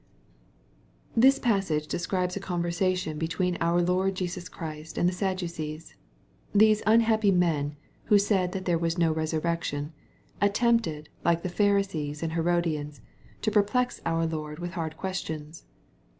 This passage describes a conversation between our Lord Jesus Christ and the Sadducees. These unhappy men, who said that there was " no resurrection/' attempted, like the Pharisees and Herodians, to perplex our Lord with hard questions.